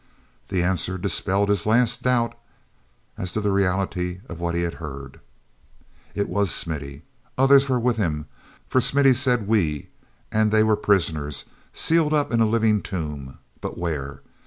The answer dispelled his last doubt as to the reality of what he had heard. It was Smithy. Others were with him, for Smithy said "we," and they were prisoners, sealed up in a living tomb. But where?